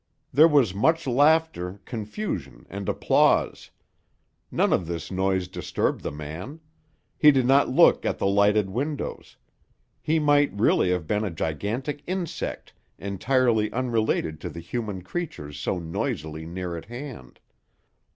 There was much laughter, confusion, and applause. None of this noise disturbed the man. He did not look at the lighted windows. He might really have been a gigantic insect entirely unrelated to the human creatures so noisily near at hand.